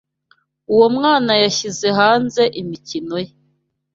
Uwo mwana yashyize hanze imikino ye.